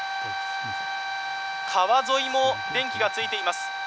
川沿いも電気がついています。